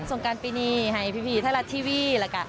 ส่งการปีนี้ให้พี่ไทรลัททีวี